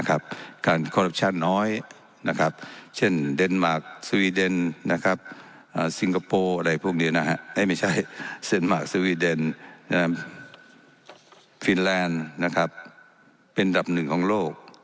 การคอรับชาติน้อยเช่นเดนมาร์คสวีเดนสิงคโปร์ฟินแลนด์เป็นดับหนึ่งของโลก